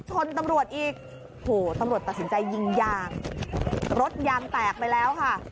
ชนตำรวจอีกโอ้โหตำรวจตัดสินใจยิงยางรถยางแตกไปแล้วค่ะ